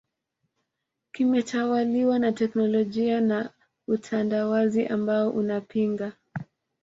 kimetawaliwa na teknolojia na utandawazi ambao unapinga